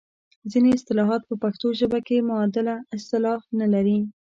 ځینې اصطلاحات په پښتو ژبه کې معادله اصطلاح نه لري.